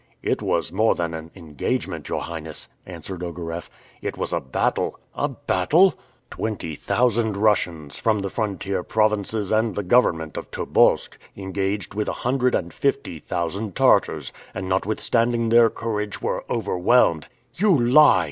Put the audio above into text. "It was more than an engagement, your Highness," answered Ogareff; "it was a battle." "A battle?" "Twenty thousand Russians, from the frontier provinces and the government of Tobolsk, engaged with a hundred and fifty thousand Tartars, and, notwithstanding their courage, were overwhelmed." "You lie!"